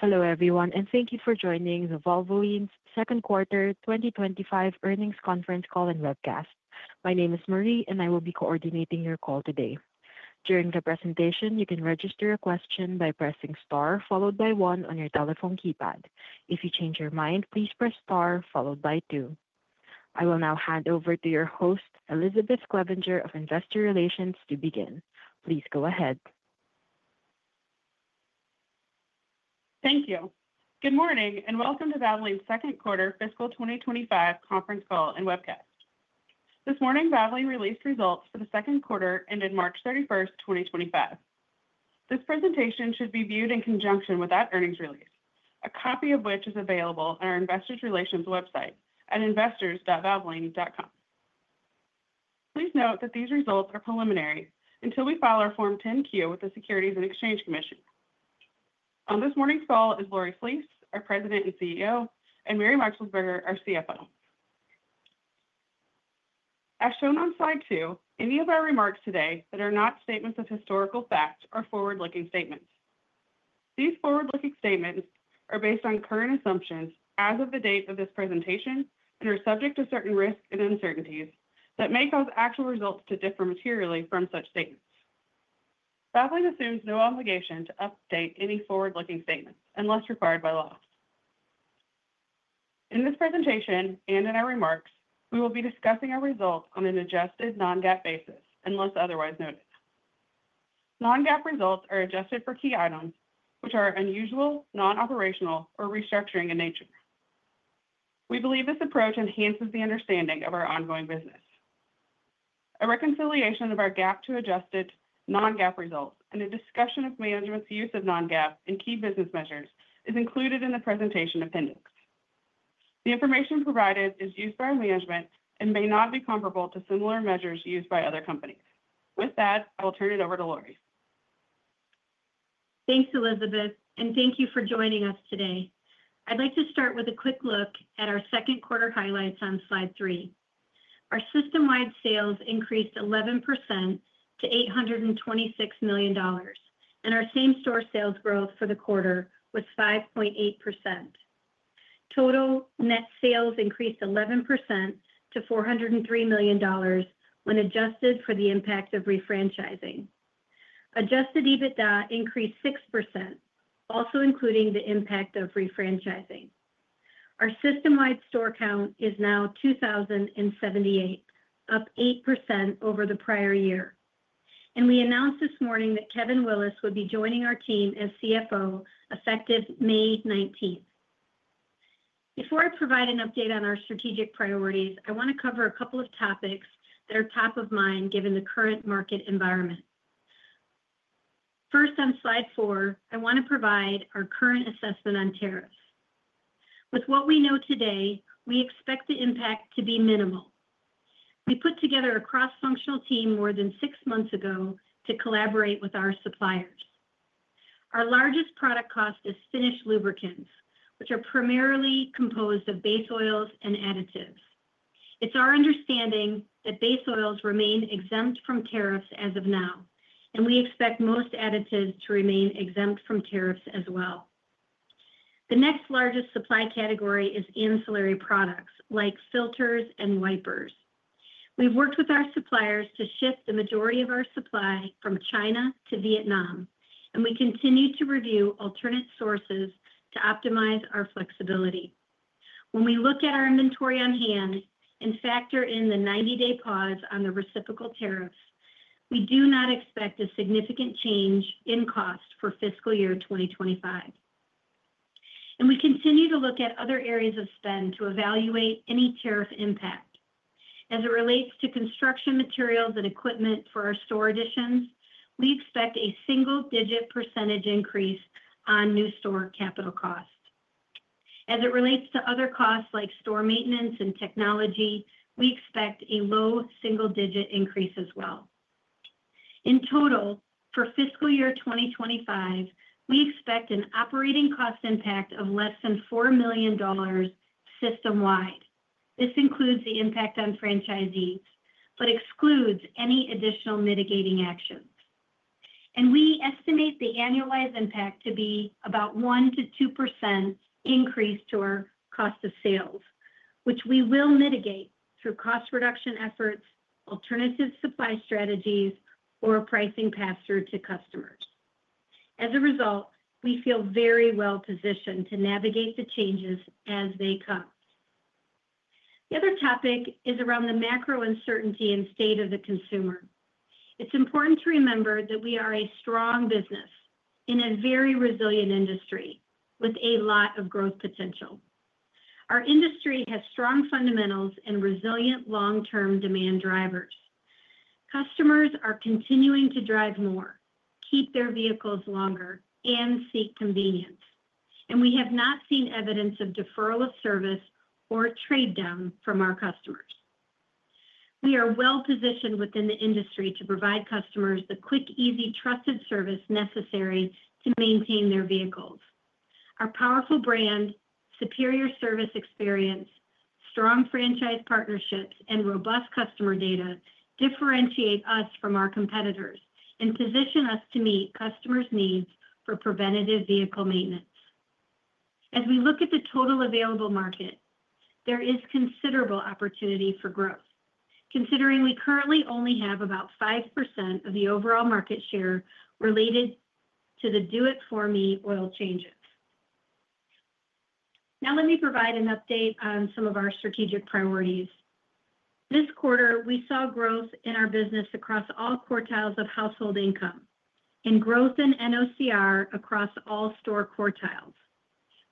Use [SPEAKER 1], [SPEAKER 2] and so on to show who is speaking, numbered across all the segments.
[SPEAKER 1] Hello everyone, and thank you for joining the Valvoline Second Quarter 2025 Earnings Conference call and webcast. My name is Marie, and I will be coordinating your call today. During the presentation, you can register a question by pressing star followed by one on your telephone keypad. If you change your mind, please press star followed by two. I will now hand over to your host, Elizabeth Clevinger, of Investor Relations, to begin. Please go ahead.
[SPEAKER 2] Thank you. Good morning, and welcome to Valvoline's Second Quarter Fiscal 2025 Conference Call and Webcast. This morning, Valvoline released results for the second quarter ended March 31, 2025. This presentation should be viewed in conjunction with that earnings release, a copy of which is available on our Investor Relations website at investors.valvoline.com. Please note that these results are preliminary until we file our Form 10Q with the Securities and Exchange Commission. On this morning's call is Lori Flees, our President and CEO, and Mary Meixelsperger, our CFO. As shown on slide two, any of our remarks today that are not statements of historical fact are forward-looking statements. These forward-looking statements are based on current assumptions as of the date of this presentation and are subject to certain risks and uncertainties that may cause actual results to differ materially from such statements. Valvoline assumes no obligation to update any forward-looking statements unless required by law. In this presentation and in our remarks, we will be discussing our results on an adjusted non-GAAP basis unless otherwise noted. Non-GAAP results are adjusted for key items which are unusual, non-operational, or restructuring in nature. We believe this approach enhances the understanding of our ongoing business. A reconciliation of our GAAP to adjusted non-GAAP results and a discussion of management's use of non-GAAP and key business measures is included in the presentation appendix. The information provided is used by our management and may not be comparable to similar measures used by other companies. With that, I will turn it over to Lori.
[SPEAKER 3] Thanks, Elizabeth, and thank you for joining us today. I'd like to start with a quick look at our second quarter highlights on slide three. Our system-wide sales increased 11% to $826 million, and our same-store sales growth for the quarter was 5.8%. Total net sales increased 11% to $403 million when adjusted for the impact of refranchising. Adjusted EBITDA increased 6%, also including the impact of refranchising. Our system-wide store count is now 2,078, up 8% over the prior year. We announced this morning that Kevin Willis would be joining our team as CFO effective May 19, 2025. Before I provide an update on our strategic priorities, I want to cover a couple of topics that are top of mind given the current market environment. First, on slide four, I want to provide our current assessment on tariffs. With what we know today, we expect the impact to be minimal. We put together a cross-functional team more than six months ago to collaborate with our suppliers. Our largest product cost is finished lubricants, which are primarily composed of base oils and additives. It's our understanding that base oils remain exempt from tariffs as of now, and we expect most additives to remain exempt from tariffs as well. The next largest supply category is ancillary products like filters and wipers. We've worked with our suppliers to shift the majority of our supply from China to Vietnam, and we continue to review alternate sources to optimize our flexibility. When we look at our inventory on hand and factor in the 90-day pause on the reciprocal tariffs, we do not expect a significant change in cost for fiscal year 2025. We continue to look at other areas of spend to evaluate any tariff impact. As it relates to construction materials and equipment for our store additions, we expect a single-digit % increase on new store capital costs. As it relates to other costs like store maintenance and technology, we expect a low single-digit % increase as well. In total, for fiscal year 2025, we expect an operating cost impact of less than $4 million system-wide. This includes the impact on franchisees but excludes any additional mitigating actions. We estimate the annualized impact to be about 1%-2% increase to our cost of sales, which we will mitigate through cost reduction efforts, alternative supply strategies, or a pricing pass-through to customers. As a result, we feel very well positioned to navigate the changes as they come. The other topic is around the macro uncertainty and state of the consumer. It's important to remember that we are a strong business in a very resilient industry with a lot of growth potential. Our industry has strong fundamentals and resilient long-term demand drivers. Customers are continuing to drive more, keep their vehicles longer, and seek convenience. We have not seen evidence of deferral of service or trade down from our customers. We are well positioned within the industry to provide customers the quick, easy, trusted service necessary to maintain their vehicles. Our powerful brand, superior service experience, strong franchise partnerships, and robust customer data differentiate us from our competitors and position us to meet customers' needs for preventative vehicle maintenance. As we look at the total available market, there is considerable opportunity for growth, considering we currently only have about 5% of the overall market share related to the Do It For Me oil changes. Now, let me provide an update on some of our strategic priorities. This quarter, we saw growth in our business across all quartiles of household income and growth in NOCR across all store quartiles.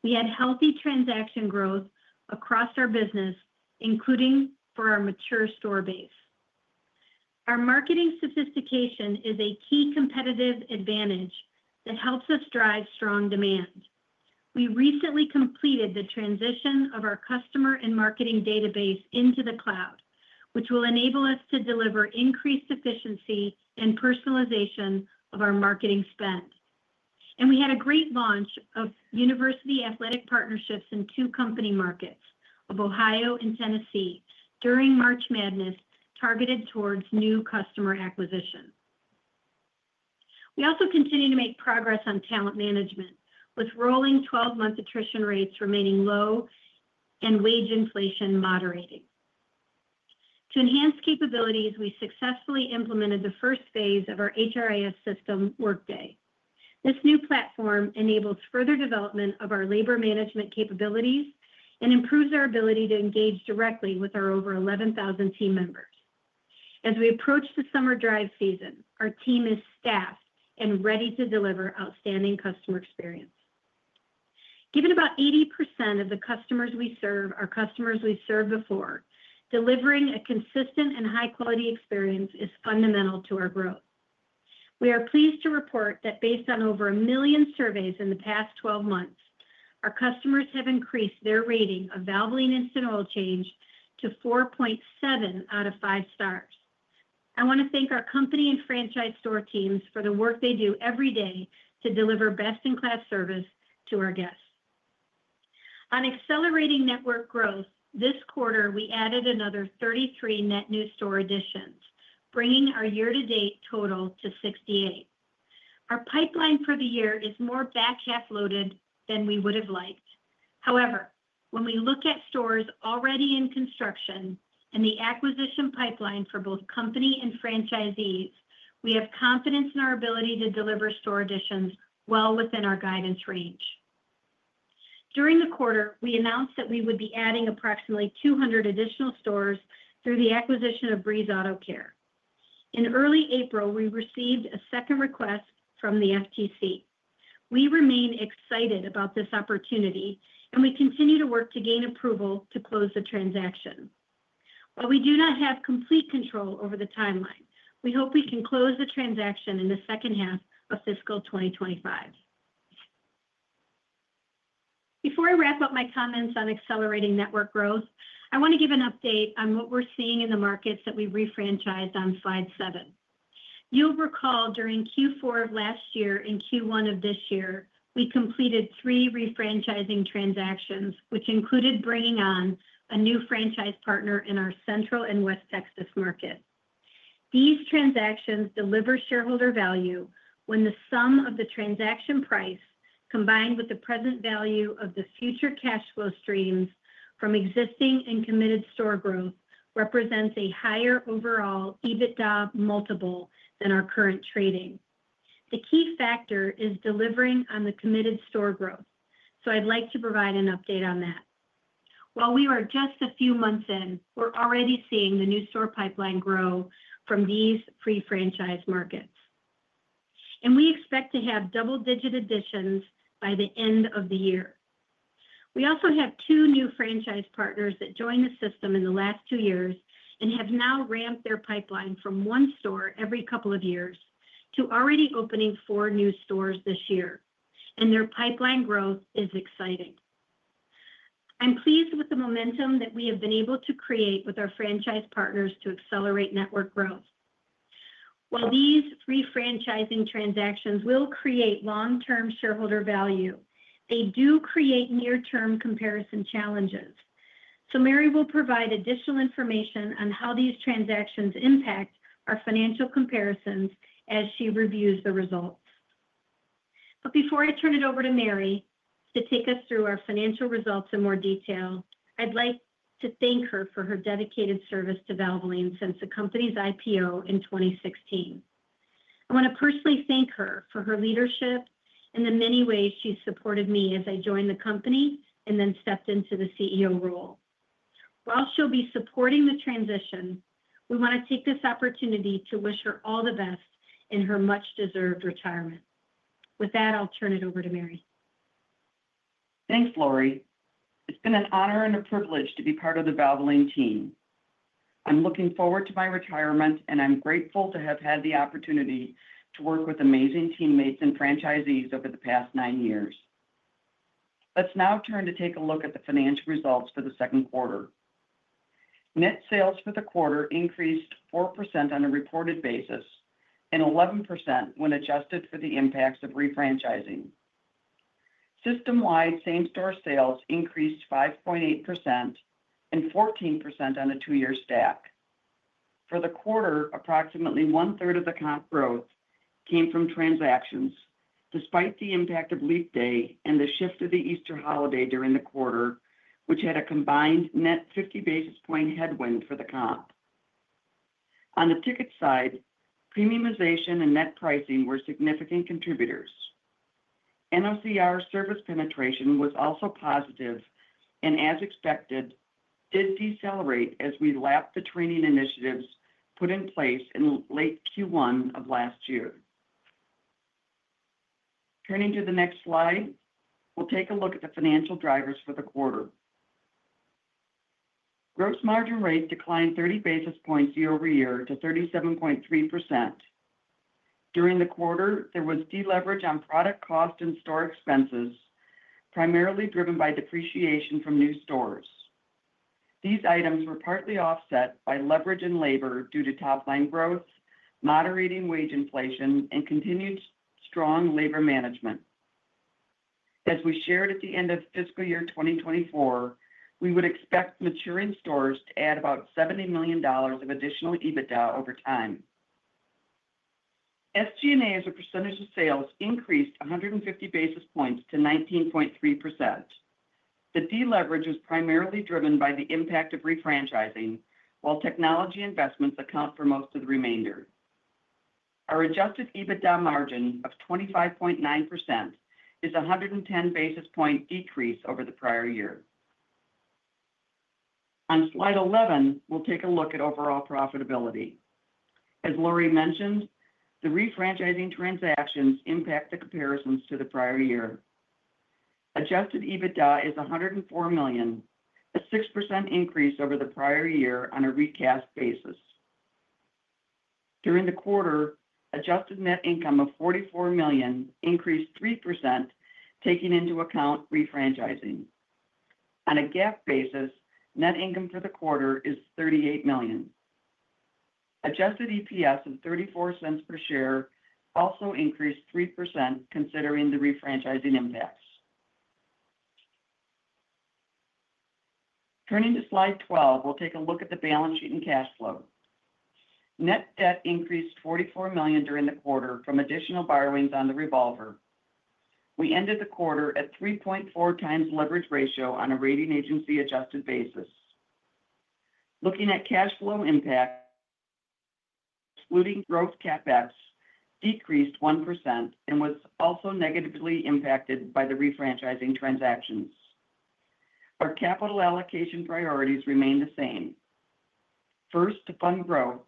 [SPEAKER 3] We had healthy transaction growth across our business, including for our mature store base. Our marketing sophistication is a key competitive advantage that helps us drive strong demand. We recently completed the transition of our customer and marketing database into the cloud, which will enable us to deliver increased efficiency and personalization of our marketing spend. We had a great launch of university athletic partnerships in two company markets of Ohio and Tennessee during March Madness, targeted towards new customer acquisition. We also continue to make progress on talent management, with rolling 12-month attrition rates remaining low and wage inflation moderating. To enhance capabilities, we successfully implemented the first phase of our HRIS system Workday. This new platform enables further development of our labor management capabilities and improves our ability to engage directly with our over 11,000 team members. As we approach the summer drive season, our team is staffed and ready to deliver outstanding customer experience. Given about 80% of the customers we serve are customers we've served before, delivering a consistent and high-quality experience is fundamental to our growth. We are pleased to report that based on over a million surveys in the past 12 months, our customers have increased their rating of Valvoline Instant Oil Change to 4.7 out of five stars. I want to thank our company and franchise store teams for the work they do every day to deliver best-in-class service to our guests. On accelerating network growth, this quarter, we added another 33 net new store additions, bringing our year-to-date total to 68. Our pipeline for the year is more back half loaded than we would have liked. However, when we look at stores already in construction and the acquisition pipeline for both company and franchisees, we have confidence in our ability to deliver store additions well within our guidance range. During the quarter, we announced that we would be adding approximately 200 additional stores through the acquisition of Breeze Auto Care. In early April, we received a second request from the FTC. We remain excited about this opportunity, and we continue to work to gain approval to close the transaction. While we do not have complete control over the timeline, we hope we can close the transaction in the second half of fiscal 2025. Before I wrap up my comments on accelerating network growth, I want to give an update on what we're seeing in the markets that we've refranchised on slide seven. You'll recall during Q4 of last year and Q1 of this year, we completed three refranchising transactions, which included bringing on a new franchise partner in our Central and West Texas market. These transactions deliver shareholder value when the sum of the transaction price combined with the present value of the future cash flow streams from existing and committed store growth represents a higher overall EBITDA multiple than our current trading. The key factor is delivering on the committed store growth, so I'd like to provide an update on that. While we are just a few months in, we're already seeing the new store pipeline grow from these refranchised markets. We expect to have double-digit additions by the end of the year. We also have two new franchise partners that joined the system in the last two years and have now ramped their pipeline from one store every couple of years to already opening four new stores this year. Their pipeline growth is exciting. I'm pleased with the momentum that we have been able to create with our franchise partners to accelerate network growth. While these refranchising transactions will create long-term shareholder value, they do create near-term comparison challenges. Mary will provide additional information on how these transactions impact our financial comparisons as she reviews the results. Before I turn it over to Mary to take us through our financial results in more detail, I'd like to thank her for her dedicated service to Valvoline since the company's IPO in 2016. I want to personally thank her for her leadership and the many ways she supported me as I joined the company and then stepped into the CEO role. While she'll be supporting the transition, we want to take this opportunity to wish her all the best in her much-deserved retirement. With that, I'll turn it over to Mary.
[SPEAKER 4] Thanks, Lori. It's been an honor and a privilege to be part of the Valvoline team. I'm looking forward to my retirement, and I'm grateful to have had the opportunity to work with amazing teammates and franchisees over the past nine years. Let's now turn to take a look at the financial results for the second quarter. Net sales for the quarter increased 4% on a reported basis and 11% when adjusted for the impacts of refranchising. System-wide, same-store sales increased 5.8% and 14% on a two-year stack. For the quarter, approximately one-third of the comp growth came from transactions, despite the impact of leap day and the shift of the Easter holiday during the quarter, which had a combined net 50 basis point headwind for the comp. On the ticket side, premiumization and net pricing were significant contributors. NOCR service penetration was also positive and, as expected, did decelerate as we lapped the training initiatives put in place in late Q1 of last year. Turning to the next slide, we'll take a look at the financial drivers for the quarter. Gross margin rate declined 30 basis points year over year to 37.3%. During the quarter, there was deleverage on product cost and store expenses, primarily driven by depreciation from new stores. These items were partly offset by leverage in labor due to top-line growth, moderating wage inflation, and continued strong labor management. As we shared at the end of fiscal year 2024, we would expect maturing stores to add about $70 million of additional EBITDA over time. SG&A's percentage of sales increased 150 basis points to 19.3%. The deleverage was primarily driven by the impact of refranchising, while technology investments account for most of the remainder. Our adjusted EBITDA margin of 25.9% is a 110 basis point decrease over the prior year. On slide 11, we'll take a look at overall profitability. As Lori mentioned, the refranchising transactions impact the comparisons to the prior year. Adjusted EBITDA is $104 million, a 6% increase over the prior year on a recast basis. During the quarter, adjusted net income of $44 million increased 3%, taking into account refranchising. On a GAAP basis, net income for the quarter is $38 million. Adjusted EPS of $0.34 per share also increased 3%, considering the refranchising impacts. Turning to slide 12, we'll take a look at the balance sheet and cash flow. Net debt increased $44 million during the quarter from additional borrowings on the revolver. We ended the quarter at 3.4 times leverage ratio on a rating agency-adjusted basis. Looking at cash flow impact, excluding growth CapEx, decreased 1% and was also negatively impacted by the refranchising transactions. Our capital allocation priorities remain the same: first, to fund growth;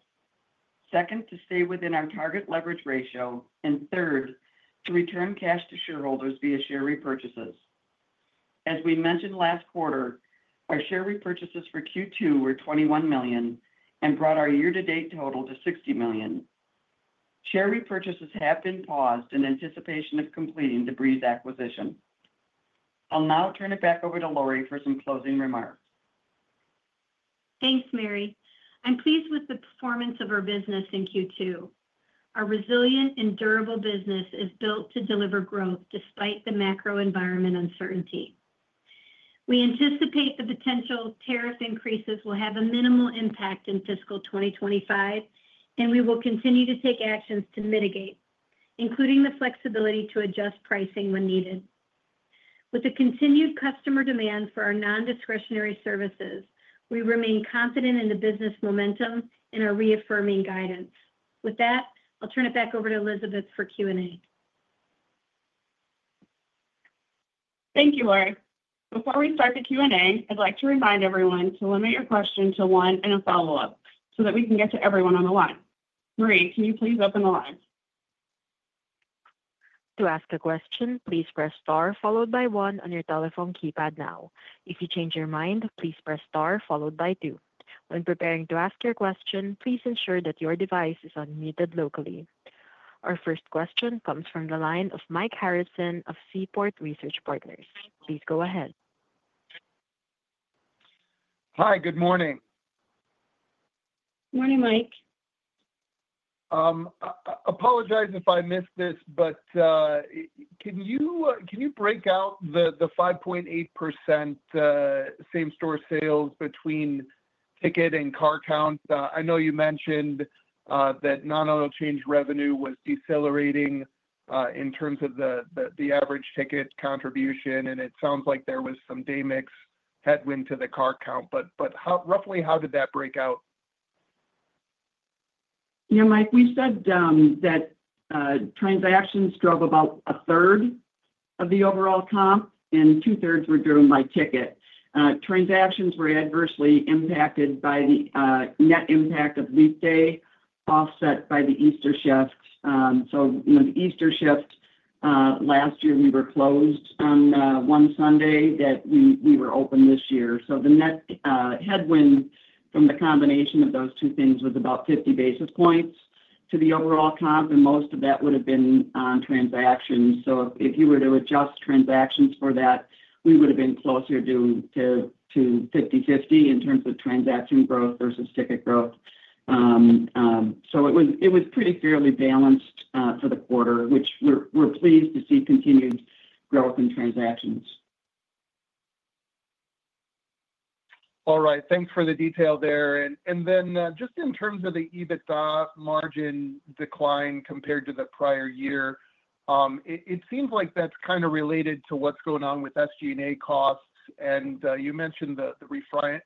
[SPEAKER 4] second, to stay within our target leverage ratio; and third, to return cash to shareholders via share repurchases. As we mentioned last quarter, our share repurchases for Q2 were $21 million and brought our year-to-date total to $60 million. Share repurchases have been paused in anticipation of completing the Breeze Auto Care acquisition. I'll now turn it back over to Lori for some closing remarks.
[SPEAKER 3] Thanks, Mary. I'm pleased with the performance of our business in Q2. Our resilient and durable business is built to deliver growth despite the macro environment uncertainty. We anticipate the potential tariff increases will have a minimal impact in fiscal 2025, and we will continue to take actions to mitigate, including the flexibility to adjust pricing when needed. With the continued customer demand for our non-discretionary services, we remain confident in the business momentum and our reaffirming guidance. With that, I'll turn it back over to Elizabeth for Q&A.
[SPEAKER 2] Thank you, Lori. Before we start the Q&A, I'd like to remind everyone to limit your question to one and a follow-up so that we can get to everyone on the line. Marie, can you please open the line?
[SPEAKER 1] To ask a question, please press star followed by one on your telephone keypad now. If you change your mind, please press star followed by two. When preparing to ask your question, please ensure that your device is unmuted locally. Our first question comes from the line of Mike Harrison of Seaport Research Partners. Please go ahead.
[SPEAKER 5] Hi, good morning.
[SPEAKER 3] Morning, Mike.
[SPEAKER 5] Apologize if I missed this, but can you break out the 5.8% same-store sales between ticket and car count? I know you mentioned that non-oil change revenue was decelerating in terms of the average ticket contribution, and it sounds like there was some day-mix headwind to the car count. Roughly, how did that break out?
[SPEAKER 4] Yeah, Mike, we said that transactions drove about a third of the overall comp, and two-thirds were driven by ticket. Transactions were adversely impacted by the net impact of leap day, offset by the Easter shift. The Easter shift last year, we were closed on one Sunday that we were open this year. The net headwind from the combination of those two things was about 50 basis points to the overall comp, and most of that would have been on transactions. If you were to adjust transactions for that, we would have been closer to 50/50 in terms of transaction growth versus ticket growth. It was pretty fairly balanced for the quarter, which we are pleased to see continued growth in transactions.
[SPEAKER 5] All right. Thanks for the detail there. In terms of the EBITDA margin decline compared to the prior year, it seems like that's kind of related to what's going on with SG&A costs. You mentioned the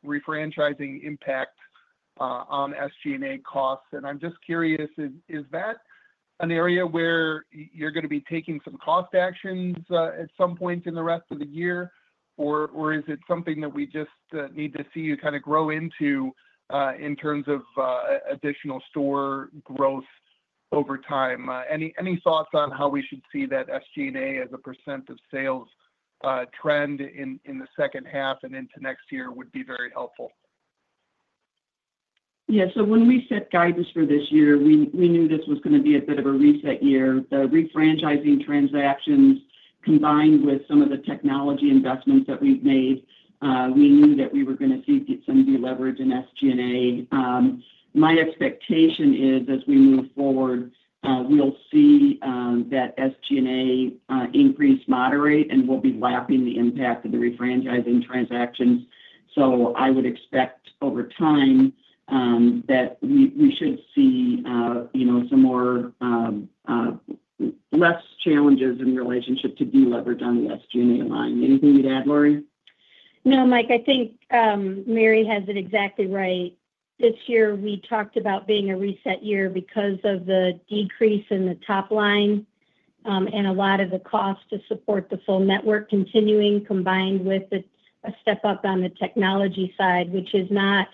[SPEAKER 5] refranchising impact on SG&A costs. I'm just curious, is that an area where you're going to be taking some cost actions at some point in the rest of the year, or is it something that we just need to see you kind of grow into in terms of additional store growth over time? Any thoughts on how we should see that SG&A as a percent of sales trend in the second half and into next year would be very helpful?
[SPEAKER 4] Yeah. So when we set guidance for this year, we knew this was going to be a bit of a reset year. The refranchising transactions combined with some of the technology investments that we've made, we knew that we were going to see some deleverage in SG&A. My expectation is, as we move forward, we'll see that SG&A increase moderate and we'll be lapping the impact of the refranchising transactions. I would expect over time that we should see some more less challenges in relationship to deleverage on the SG&A line. Anything you'd add, Lori?
[SPEAKER 3] No, Mike. I think Mary has it exactly right. This year, we talked about being a reset year because of the decrease in the top line and a lot of the cost to support the full network continuing, combined with a step up on the technology side, which is not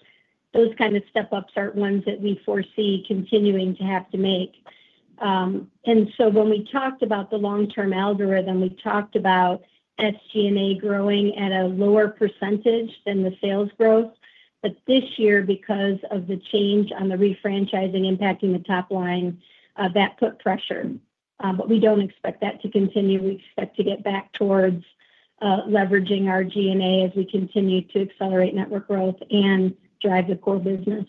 [SPEAKER 3] those kind of step-ups, are not ones that we foresee continuing to have to make. When we talked about the long-term algorithm, we talked about SG&A growing at a lower percentage than the sales growth. This year, because of the change on the refranchising impacting the top line, that put pressure. We do not expect that to continue. We expect to get back towards leveraging our G&A as we continue to accelerate network growth and drive the core business.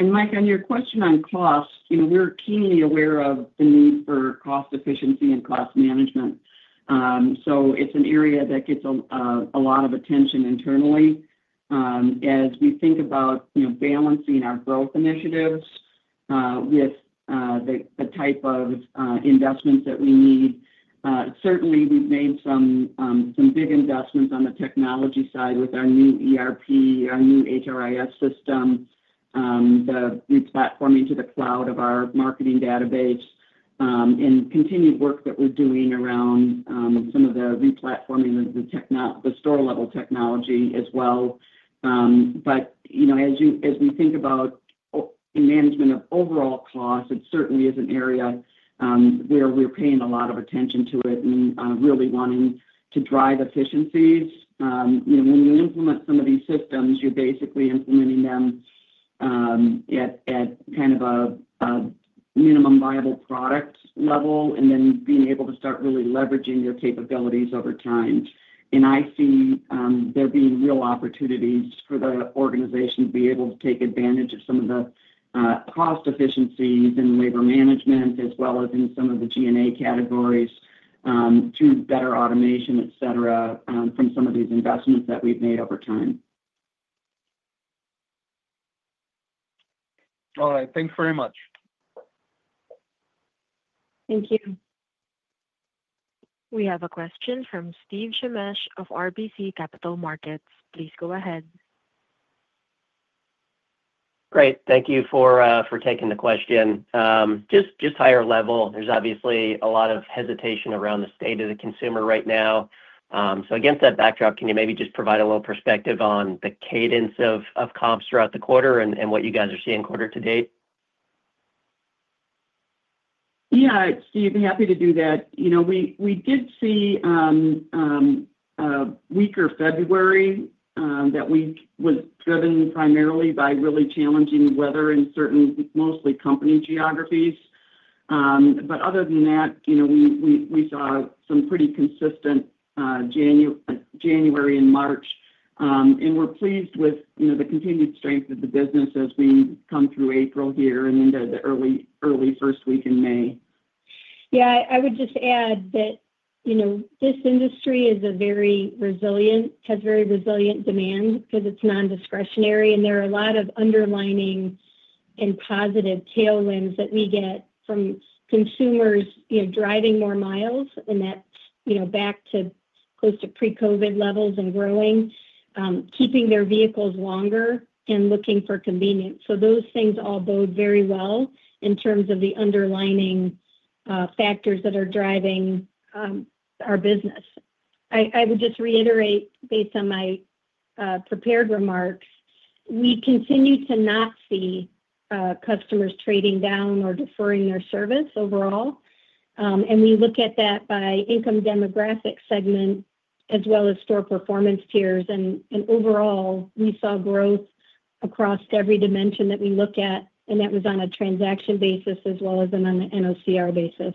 [SPEAKER 4] Mike, on your question on cost, we're keenly aware of the need for cost efficiency and cost management. It is an area that gets a lot of attention internally as we think about balancing our growth initiatives with the type of investments that we need. Certainly, we've made some big investments on the technology side with our new ERP, our new HRIS system, the replatforming to the cloud of our marketing database, and continued work that we're doing around some of the replatforming of the store-level technology as well. As we think about management of overall cost, it certainly is an area where we're paying a lot of attention to it and really wanting to drive efficiencies. When you implement some of these systems, you're basically implementing them at kind of a minimum viable product level and then being able to start really leveraging your capabilities over time. I see there being real opportunities for the organization to be able to take advantage of some of the cost efficiencies in labor management as well as in some of the G&A categories through better automation, etc., from some of these investments that we've made over time.
[SPEAKER 5] All right. Thanks very much.
[SPEAKER 3] Thank you.
[SPEAKER 1] We have a question from Steve Chemesche of RBC Capital Markets. Please go ahead.
[SPEAKER 6] Great. Thank you for taking the question. Just higher level, there's obviously a lot of hesitation around the state of the consumer right now. Against that backdrop, can you maybe just provide a little perspective on the cadence of comps throughout the quarter and what you guys are seeing quarter to date?
[SPEAKER 4] Yeah, Steve, happy to do that. We did see a weaker February. That week was driven primarily by really challenging weather in certain mostly company geographies. Other than that, we saw some pretty consistent January and March. We are pleased with the continued strength of the business as we come through April here and into the early first week in May.
[SPEAKER 3] Yeah. I would just add that this industry has very resilient demand because it's non-discretionary. There are a lot of underlying and positive tailwinds that we get from consumers driving more miles, and that's back to close to pre-COVID levels and growing, keeping their vehicles longer, and looking for convenience. Those things all bode very well in terms of the underlying factors that are driving our business. I would just reiterate, based on my prepared remarks, we continue to not see customers trading down or deferring their service overall. We look at that by income demographic segment as well as store performance tiers. Overall, we saw growth across every dimension that we look at, and that was on a transaction basis as well as on an NOCR basis.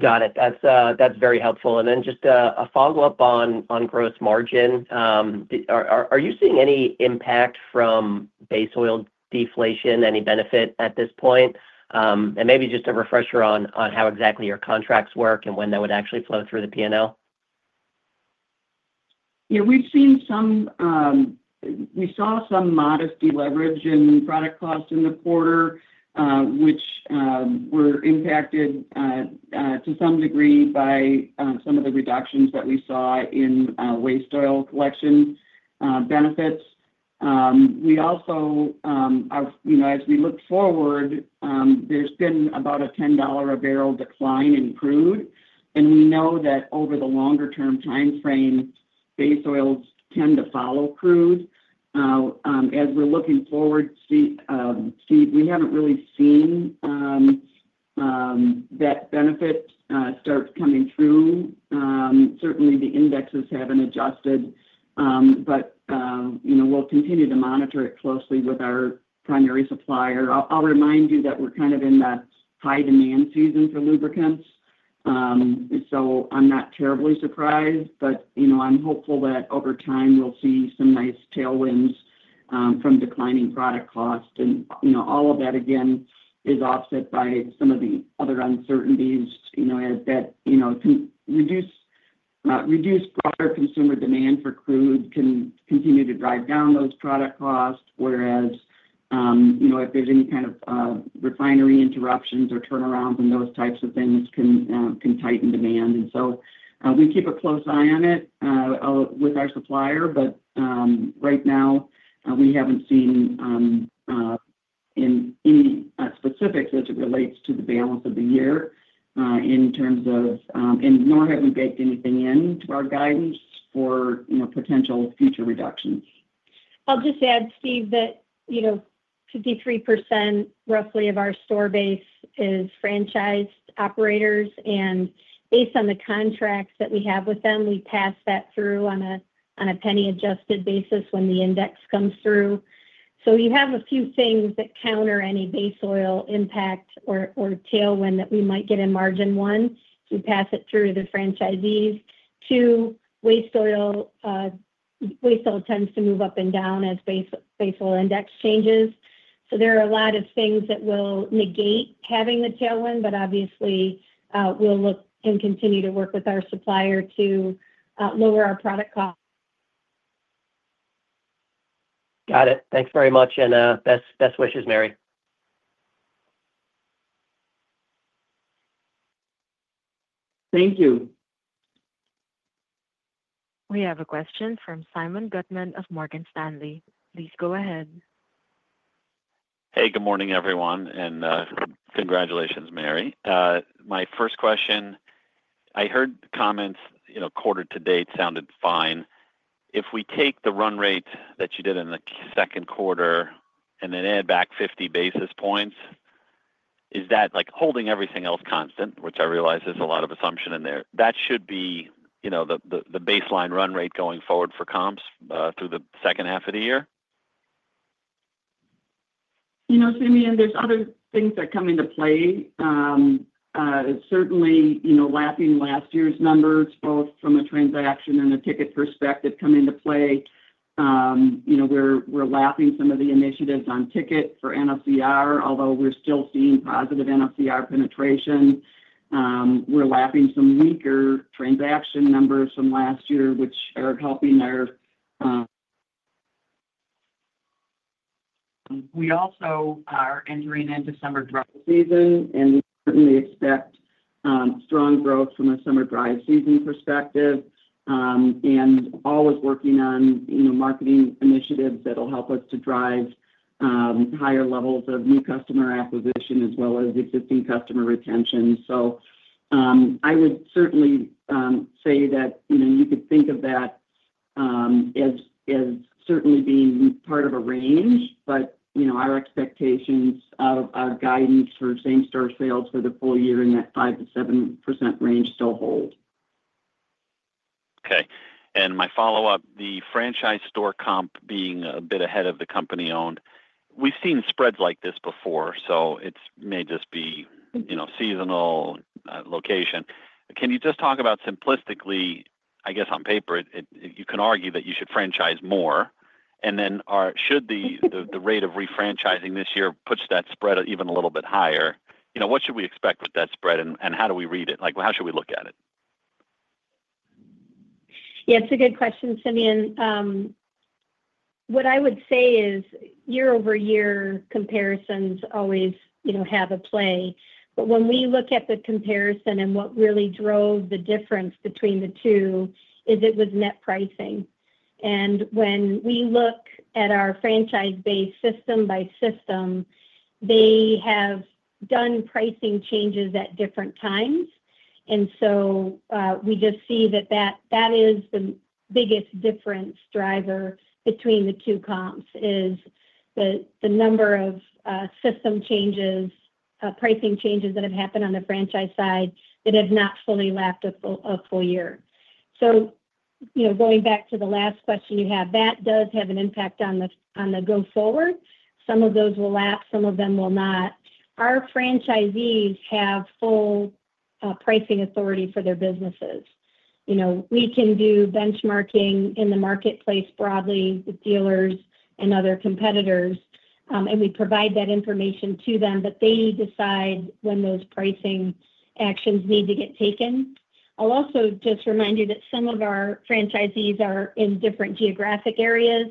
[SPEAKER 6] Got it. That's very helpful. Just a follow-up on gross margin. Are you seeing any impact from base oil deflation, any benefit at this point? Maybe just a refresher on how exactly your contracts work and when they would actually flow through the P&L?
[SPEAKER 4] Yeah. We saw some modest deleverage in product cost in the quarter, which were impacted to some degree by some of the reductions that we saw in waste oil collection benefits. We also, as we look forward, there's been about a $10 a barrel decline in crude. And we know that over the longer-term time frame, base oils tend to follow crude. As we're looking forward, Steve, we haven't really seen that benefit start coming through. Certainly, the indexes haven't adjusted. We'll continue to monitor it closely with our primary supplier. I'll remind you that we're kind of in the high-demand season for lubricants. I'm not terribly surprised, but I'm hopeful that over time, we'll see some nice tailwinds from declining product cost. All of that, again, is offset by some of the other uncertainties that can reduce broader consumer demand for crude, can continue to drive down those product costs, whereas if there is any kind of refinery interruptions or turnarounds and those types of things, it can tighten demand. We keep a close eye on it with our supplier. Right now, we have not seen any specifics as it relates to the balance of the year in terms of, and nor have we baked anything into our guidance for potential future reductions.
[SPEAKER 3] I'll just add, Steve, that 53% roughly of our store base is franchised operators. Based on the contracts that we have with them, we pass that through on a penny-adjusted basis when the index comes through. You have a few things that counter any base oil impact or tailwind that we might get in margin. One, if we pass it through to the franchisees. Two, waste oil tends to move up and down as base oil index changes. There are a lot of things that will negate having the tailwind, but obviously, we'll look and continue to work with our supplier to lower our product cost.
[SPEAKER 7] Got it. Thanks very much. Best wishes, Marie.
[SPEAKER 4] Thank you.
[SPEAKER 1] We have a question from Simeon Gutman of Morgan Stanley. Please go ahead.
[SPEAKER 8] Hey, good morning, everyone. Congratulations, Marie. My first question, I heard comments quarter to date sounded fine. If we take the run rate that you did in the second quarter and then add back 50 basis points, is that holding everything else constant, which I realize there is a lot of assumption in there? That should be the baseline run rate going forward for comps through the second half of the year?
[SPEAKER 4] You know, Simeon, there's other things that come into play. Certainly, lapping last year's numbers, both from a transaction and a ticket perspective, come into play. We're lapping some of the initiatives on ticket for NOCR, although we're still seeing positive NOCR penetration. We're lapping some weaker transaction numbers from last year, which are helping our. We also are entering into summer drive season, and we certainly expect strong growth from a summer drive season perspective. Always working on marketing initiatives that will help us to drive higher levels of new customer acquisition as well as existing customer retention. I would certainly say that you could think of that as certainly being part of a range, but our expectations of our guidance for same-store sales for the full year in that 5%-7% range still hold.
[SPEAKER 8] Okay. My follow-up, the franchise store comp being a bit ahead of the company-owned. We've seen spreads like this before, so it may just be seasonal location. Can you just talk about simplistically, I guess on paper, you can argue that you should franchise more. Should the rate of refranchising this year push that spread even a little bit higher, what should we expect with that spread, and how do we read it? How should we look at it?
[SPEAKER 3] Yeah, it's a good question, Simeon. What I would say is year-over-year comparisons always have a play. When we look at the comparison and what really drove the difference between the two is it was net pricing. When we look at our franchise-based system by system, they have done pricing changes at different times. We just see that that is the biggest difference driver between the two comps is the number of system changes, pricing changes that have happened on the franchise side that have not fully lapped a full year. Going back to the last question you have, that does have an impact on the go-forward. Some of those will lappe. Some of them will not. Our franchisees have full pricing authority for their businesses. We can do benchmarking in the marketplace broadly with dealers and other competitors. We provide that information to them, but they decide when those pricing actions need to get taken. I'll also just remind you that some of our franchisees are in different geographic areas.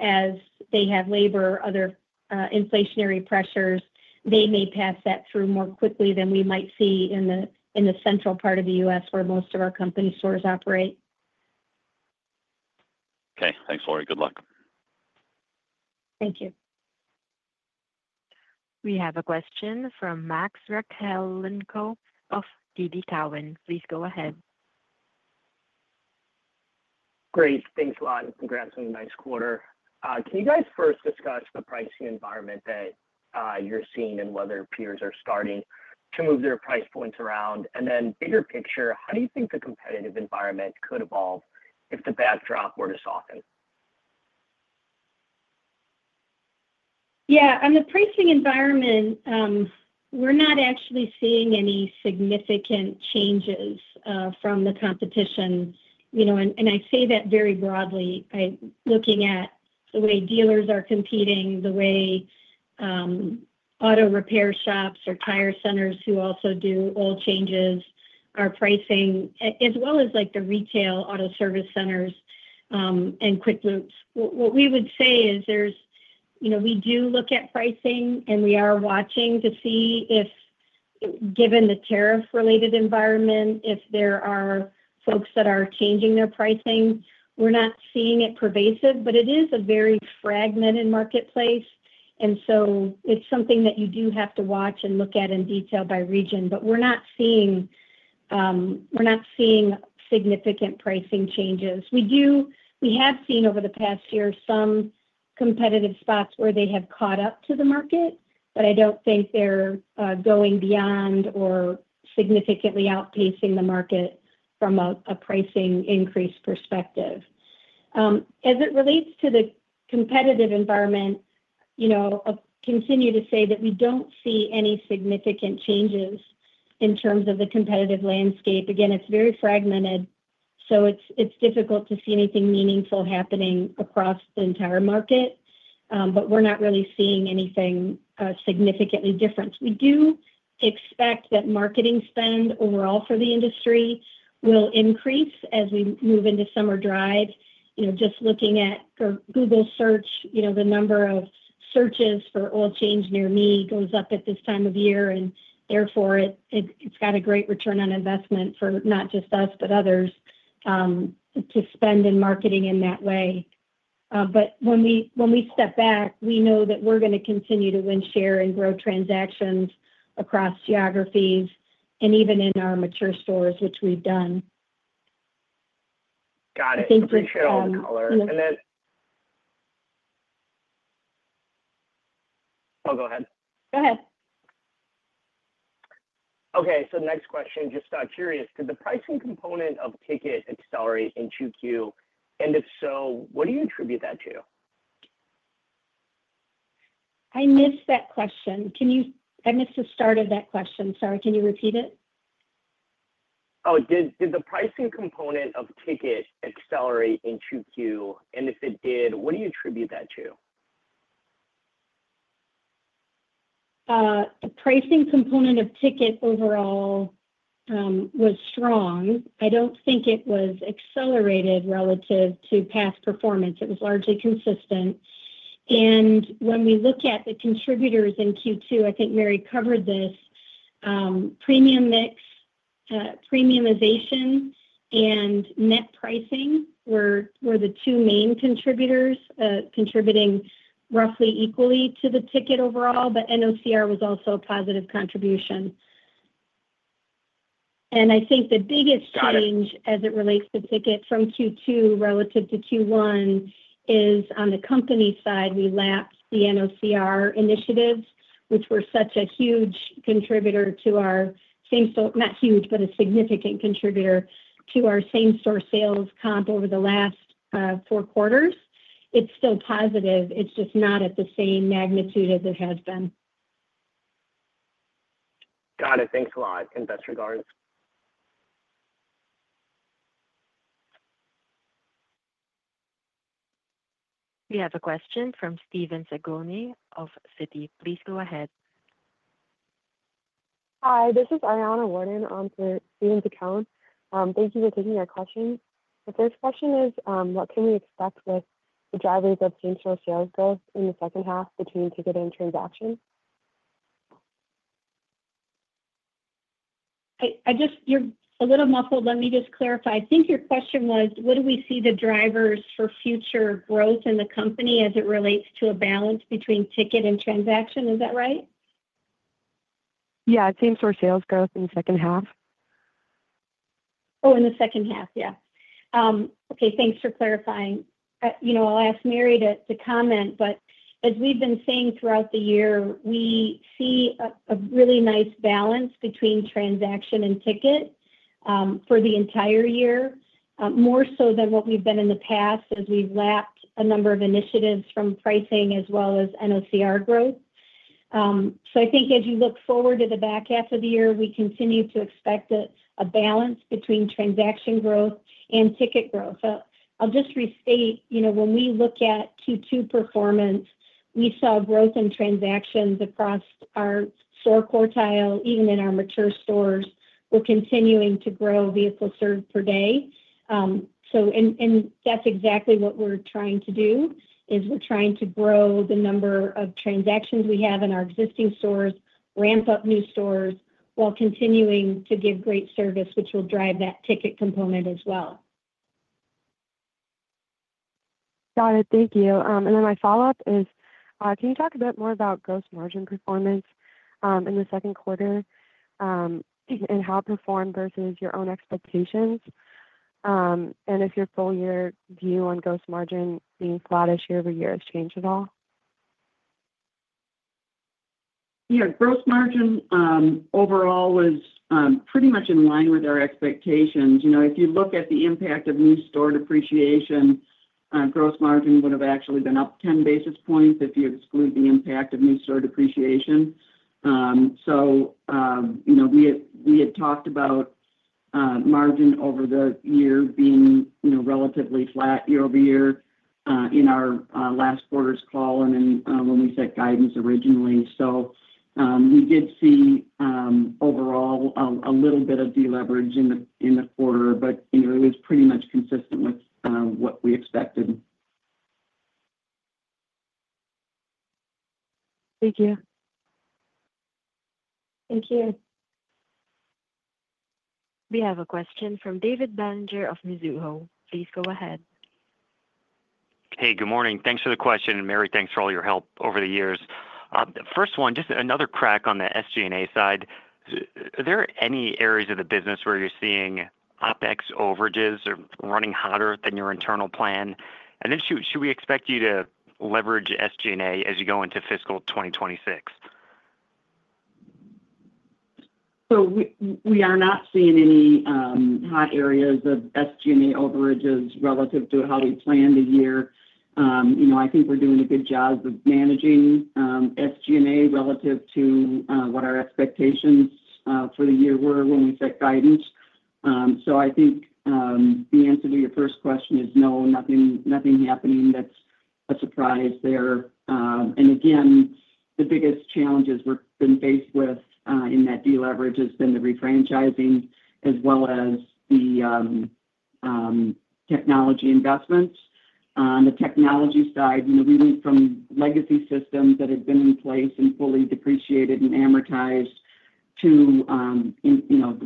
[SPEAKER 3] As they have labor, other inflationary pressures, they may pass that through more quickly than we might see in the central part of the U.S. where most of our company stores operate.
[SPEAKER 8] Okay. Thanks, Lori. Good luck.
[SPEAKER 3] Thank you.
[SPEAKER 1] We have a question from Max Rakhlenko of TD Cowen. Please go ahead.
[SPEAKER 9] Great. Thanks a lot. Congrats on the nice quarter. Can you guys first discuss the pricing environment that you're seeing and whether peers are starting to move their price points around? Then bigger picture, how do you think the competitive environment could evolve if the backdrop were to soften?
[SPEAKER 3] Yeah. On the pricing environment, we're not actually seeing any significant changes from the competition. I say that very broadly, looking at the way dealers are competing, the way auto repair shops or tire centers who also do oil changes, our pricing, as well as the retail auto service centers and Quick Lubes. What we would say is we do look at pricing, and we are watching to see if, given the tariff-related environment, if there are folks that are changing their pricing. We're not seeing it pervasive, but it is a very fragmented marketplace. It is something that you do have to watch and look at in detail by region. We're not seeing significant pricing changes. We have seen over the past year some competitive spots where they have caught up to the market, but I don't think they're going beyond or significantly outpacing the market from a pricing increase perspective. As it relates to the competitive environment, I'll continue to say that we don't see any significant changes in terms of the competitive landscape. Again, it's very fragmented, so it's difficult to see anything meaningful happening across the entire market, but we're not really seeing anything significantly different. We do expect that marketing spend overall for the industry will increase as we move into summer drive. Just looking at Google search, the number of searches for oil change near me goes up at this time of year. Therefore, it's got a great return on investment for not just us, but others to spend in marketing in that way. When we step back, we know that we're going to continue to win share and grow transactions across geographies and even in our mature stores, which we've done.
[SPEAKER 9] Got it. Appreciate all.
[SPEAKER 3] Thank you.
[SPEAKER 9] Color. Oh, go ahead.
[SPEAKER 3] Go ahead.
[SPEAKER 9] Okay. Next question, just curious, did the pricing component of ticket accelerate in Q2? And if so, what do you attribute that to?
[SPEAKER 3] I missed that question. I missed the start of that question. Sorry. Can you repeat it?
[SPEAKER 9] Oh, did the pricing component of ticket accelerate in Q2? And if it did, what do you attribute that to?
[SPEAKER 3] The pricing component of ticket overall was strong. I don't think it was accelerated relative to past performance. It was largely consistent. When we look at the contributors in Q2, I think Mary covered this, premium mix, premiumization, and net pricing were the two main contributors contributing roughly equally to the ticket overall, but NOCR was also a positive contribution. I think the biggest change as it relates to ticket from Q2 relative to Q1 is on the company side, we lapped the NOCR initiatives, which were such a huge contributor to our same-store, not huge, but a significant contributor to our same-store sales comp over the last four quarters. It's still positive. It's just not at the same magnitude as it has been.
[SPEAKER 9] Got it. Thanks a lot. And best regards.
[SPEAKER 1] We have a question from Steven Sagoni of Citi. Please go ahead.
[SPEAKER 10] Hi. This is Ariana Warden on Steven's account. Thank you for taking our questions. The first question is, what can we expect with the drivers of same-store sales growth in the 2nd half between ticket and transaction?
[SPEAKER 3] You're a little muffled. Let me just clarify. I think your question was, what do we see the drivers for future growth in the company as it relates to a balance between ticket and transaction? Is that right?
[SPEAKER 10] Yeah. Same-store sales growth in the 2nd half.
[SPEAKER 3] Oh, in the 2nd half. Yeah. Okay. Thanks for clarifying. I'll ask Mary to comment, but as we've been seeing throughout the year, we see a really nice balance between transaction and ticket for the entire year, more so than what we've been in the past as we've lapped a number of initiatives from pricing as well as NOCR growth. I think as you look forward to the back half of the year, we continue to expect a balance between transaction growth and ticket growth. I'll just restate. When we look at Q2 performance, we saw growth in transactions across our store quartile, even in our mature stores. We're continuing to grow vehicle service per day. That's exactly what we're trying to do, is we're trying to grow the number of transactions we have in our existing stores, ramp up new stores while continuing to give great service, which will drive that ticket component as well.
[SPEAKER 10] Got it. Thank you. My follow-up is, can you talk a bit more about gross margin performance in the 2nd quarter and how it performed versus your own expectations? If your full-year view on gross margin being flatter year over year has changed at all?
[SPEAKER 4] Yeah. Gross margin overall was pretty much in line with our expectations. If you look at the impact of new store depreciation, gross margin would have actually been up 10 basis points if you exclude the impact of new store depreciation. We had talked about margin over the year being relatively flat year over year in our last quarter's call and then when we set guidance originally. We did see overall a little bit of deleveraging in the quarter, but it was pretty much consistent with what we expected.
[SPEAKER 10] Thank you.
[SPEAKER 3] Thank you.
[SPEAKER 1] We have a question from David Bellinger of Mizuho. Please go ahead.
[SPEAKER 7] Hey, good morning. Thanks for the question. And Mary, thanks for all your help over the years. 1st one, just another crack on the SG&A side. Are there any areas of the business where you're seeing OPEX overages or running hotter than your internal plan? And then should we expect you to leverage SG&A as you go into fiscal 2026?
[SPEAKER 4] We are not seeing any hot areas of SG&A overages relative to how we planned the year. I think we're doing a good job of managing SG&A relative to what our expectations for the year were when we set guidance. I think the answer to your first question is no, nothing happening. That's a surprise there. Again, the biggest challenges we've been faced with in that deleverage has been the refranchising as well as the technology investments. On the technology side, we went from legacy systems that had been in place and fully depreciated and amortized to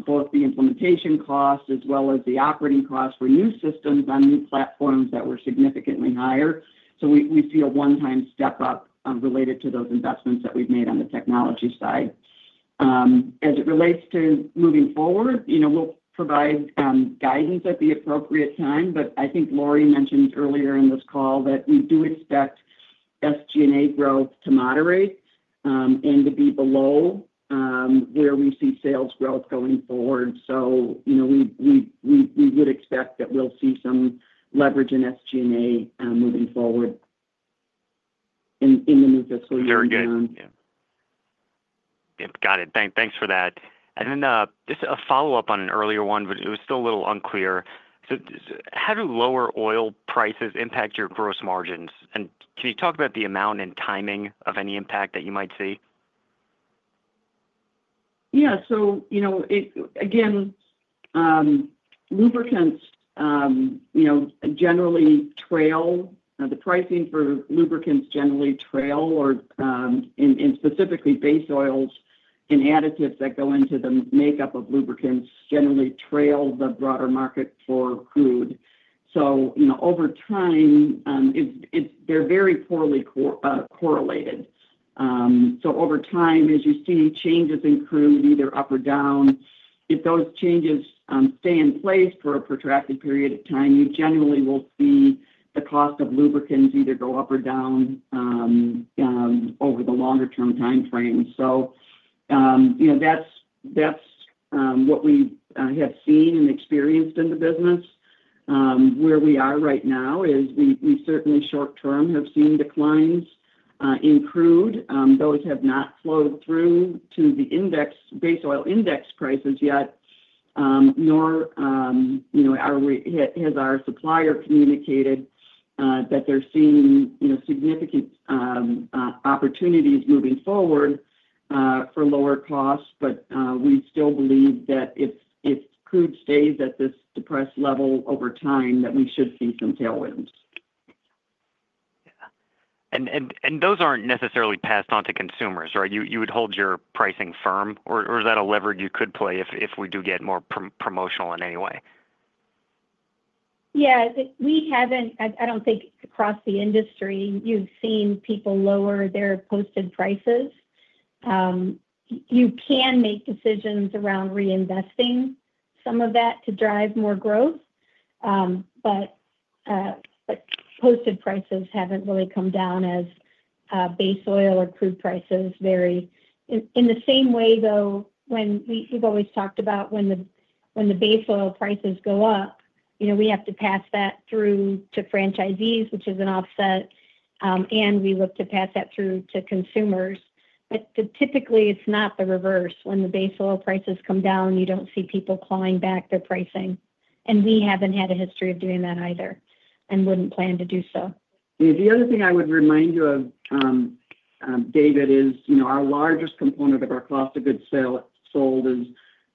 [SPEAKER 4] both the implementation costs as well as the operating costs for new systems on new platforms that were significantly higher. We see a one-time step-up related to those investments that we've made on the technology side. As it relates to moving forward, we'll provide guidance at the appropriate time. I think Lori mentioned earlier in this call that we do expect SG&A growth to moderate and to be below where we see sales growth going forward. We would expect that we'll see some leverage in SG&A moving forward in the new fiscal year going on.
[SPEAKER 7] Very good. Yeah. Yeah. Got it. Thanks for that. And then just a follow-up on an earlier one, but it was still a little unclear. How do lower oil prices impact your gross margins? Can you talk about the amount and timing of any impact that you might see?
[SPEAKER 4] Yeah. Again, lubricants generally trail. The pricing for lubricants generally trail, and specifically base oils and additives that go into the makeup of lubricants generally trail the broader market for crude. Over time, they are very poorly correlated. Over time, as you see changes in crude, either up or down, if those changes stay in place for a protracted period of time, you generally will see the cost of lubricants either go up or down over the longer-term time frame. That is what we have seen and experienced in the business. Where we are right now is we certainly short-term have seen declines in crude. Those have not flowed through to the base oil index prices yet, nor has our supplier communicated that they are seeing significant opportunities moving forward for lower costs. We still believe that if crude stays at this depressed level over time, that we should see some tailwinds.
[SPEAKER 7] Those aren't necessarily passed on to consumers, right? You would hold your pricing firm, or is that a lever you could play if we do get more promotional in any way?
[SPEAKER 3] Yeah. I don't think across the industry you've seen people lower their posted prices. You can make decisions around reinvesting some of that to drive more growth, but posted prices haven't really come down as base oil or crude prices vary. In the same way, though, we've always talked about when the base oil prices go up, we have to pass that through to franchisees, which is an offset, and we look to pass that through to consumers. Typically, it's not the reverse. When the base oil prices come down, you don't see people clawing back their pricing. We haven't had a history of doing that either and wouldn't plan to do so.
[SPEAKER 4] The other thing I would remind you of, David, is our largest component of our cost of goods sold is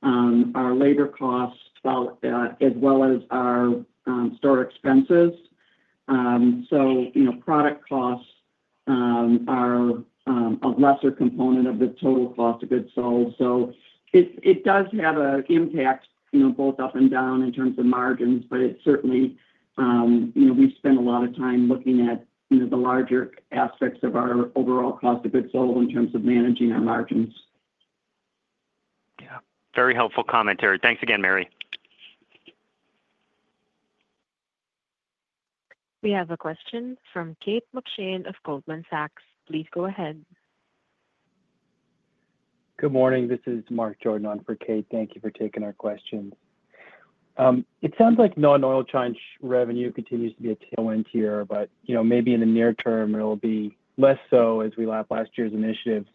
[SPEAKER 4] our labor costs as well as our store expenses. Product costs are a lesser component of the total cost of goods sold. It does have an impact both up and down in terms of margins, but certainly, we spend a lot of time looking at the larger aspects of our overall cost of goods sold in terms of managing our margins.
[SPEAKER 7] Yeah. Very helpful commentary. Thanks again, Mary.
[SPEAKER 1] We have a question from Kate McShane of Goldman Sachs. Please go ahead.
[SPEAKER 11] Good morning. This is Mark Jordan for Kate. Thank you for taking our questions. It sounds like non-oil change revenue continues to be a tailwind here, but maybe in the near term, it'll be less so as we lap last year's initiatives.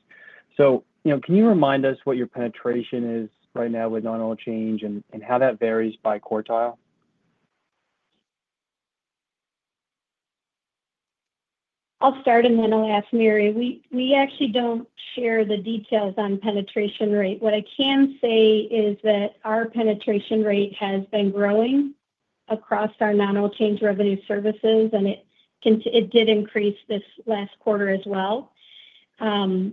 [SPEAKER 11] Can you remind us what your penetration is right now with non-oil change and how that varies by quartile?
[SPEAKER 3] I'll start and then I'll ask Mary. We actually don't share the details on penetration rate. What I can say is that our penetration rate has been growing across our non-oil change revenue services, and it did increase this last quarter as well. When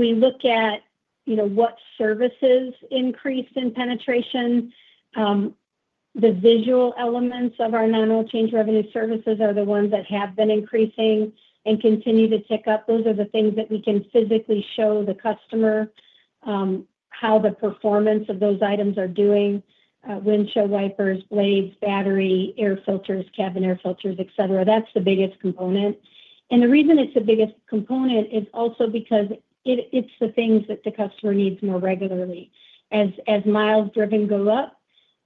[SPEAKER 3] we look at what services increased in penetration, the visual elements of our non-oil change revenue services are the ones that have been increasing and continue to tick up. Those are the things that we can physically show the customer how the performance of those items are doing: windshield wipers, blades, battery, air filters, cabin air filters, etc. That's the biggest component. The reason it's the biggest component is also because it's the things that the customer needs more regularly. As miles driven go up,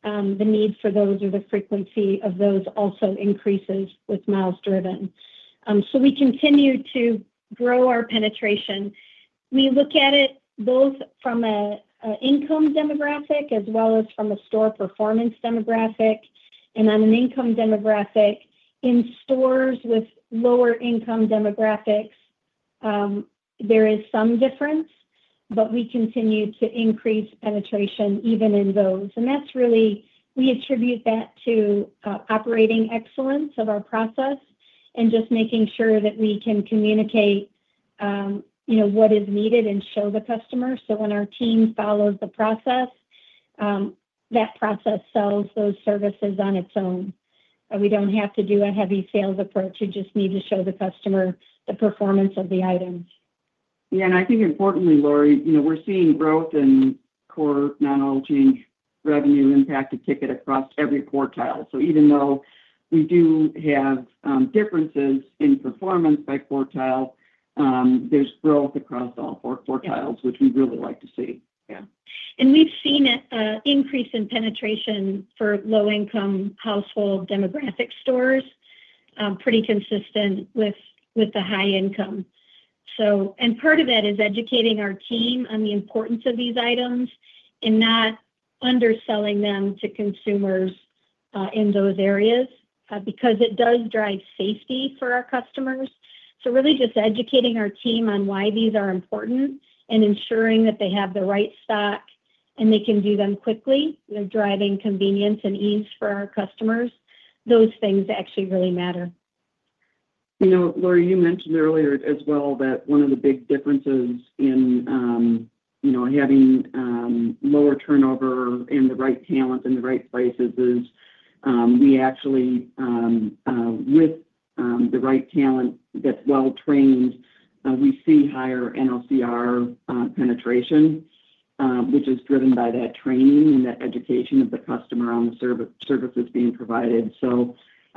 [SPEAKER 3] the need for those or the frequency of those also increases with miles driven. We continue to grow our penetration. We look at it both from an income demographic as well as from a store performance demographic. On an income demographic, in stores with lower income demographics, there is some difference, but we continue to increase penetration even in those. We attribute that to operating excellence of our process and just making sure that we can communicate what is needed and show the customer. When our team follows the process, that process sells those services on its own. We do not have to do a heavy sales approach. You just need to show the customer the performance of the items.
[SPEAKER 4] Yeah. I think importantly, Lori, we're seeing growth in core non-oil change revenue impacted ticket across every quartile. Even though we do have differences in performance by quartile, there's growth across all four quartiles, which we'd really like to see.
[SPEAKER 3] Yeah. We have seen an increase in penetration for low-income household demographic stores, pretty consistent with the high income. Part of that is educating our team on the importance of these items and not underselling them to consumers in those areas because it does drive safety for our customers. Really just educating our team on why these are important and ensuring that they have the right stock and they can do them quickly. They are driving convenience and ease for our customers. Those things actually really matter.
[SPEAKER 4] Lori, you mentioned earlier as well that one of the big differences in having lower turnover and the right talent in the right places is we actually, with the right talent that's well-trained, we see higher NOCR penetration, which is driven by that training and that education of the customer on the services being provided.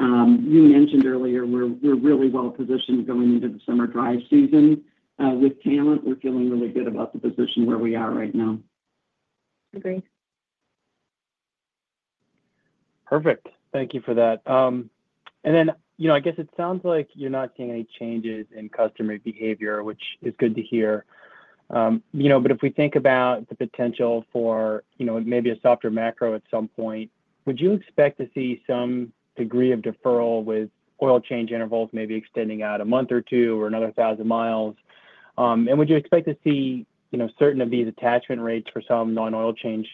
[SPEAKER 4] You mentioned earlier, we're really well-positioned going into the summer drive season. With talent, we're feeling really good about the position where we are right now.
[SPEAKER 3] Agreed.
[SPEAKER 11] Perfect. Thank you for that. I guess it sounds like you're not seeing any changes in customer behavior, which is good to hear. If we think about the potential for maybe a softer macro at some point, would you expect to see some degree of deferral with oil change intervals maybe extending out a month or two or another 1,000 miles? Would you expect to see certain of these attachment rates for some non-oil change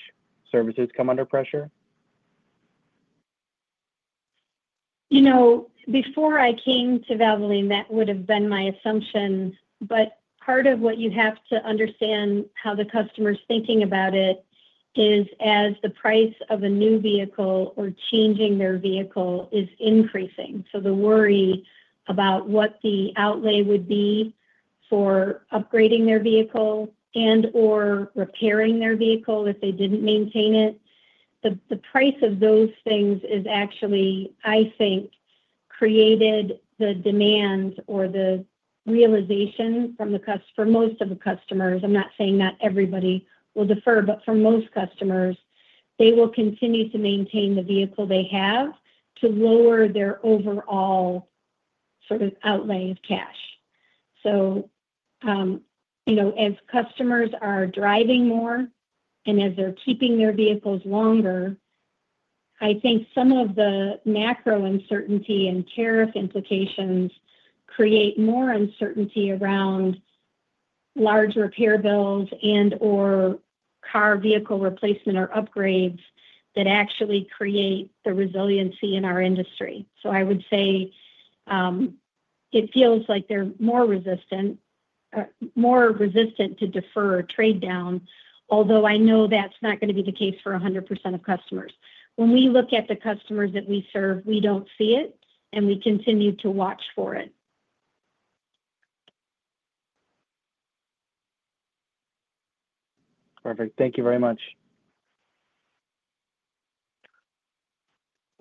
[SPEAKER 11] services come under pressure?
[SPEAKER 3] Before I came to Valvoline, that would have been my assumption. Part of what you have to understand how the customer's thinking about it is as the price of a new vehicle or changing their vehicle is increasing. The worry about what the outlay would be for upgrading their vehicle and/or repairing their vehicle if they did not maintain it. The price of those things is actually, I think, created the demand or the realization for most of the customers. I am not saying not everybody will defer, but for most customers, they will continue to maintain the vehicle they have to lower their overall sort of outlay of cash. As customers are driving more and as they're keeping their vehicles longer, I think some of the macro uncertainty and tariff implications create more uncertainty around large repair bills and/or car vehicle replacement or upgrades that actually create the resiliency in our industry. I would say it feels like they're more resistant to defer, trade down, although I know that's not going to be the case for 100% of customers. When we look at the customers that we serve, we don't see it, and we continue to watch for it.
[SPEAKER 11] Perfect. Thank you very much.